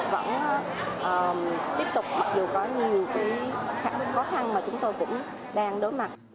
vẫn tiếp tục mặc dù có nhiều khó khăn mà chúng tôi cũng đang đối mặt